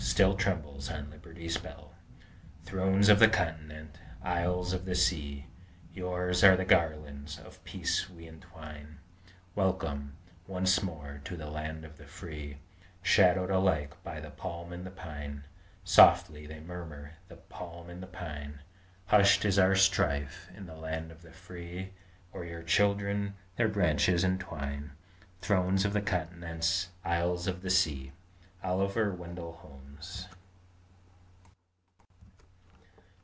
still trembles on Liberty's bell! Thrones of the continent! isles of the sea! Yours are the garlands of peace we entwine; Welcome, once more, to the land of the free, Shadowed alike by the palm and the pine; Softly they murmur, the palm and the pine, "Hushed is our strife, in the land of the free;" Over your children their branches entwine Thrones of the continents! isles of the sea! OLIVER WENDELL HOLMES.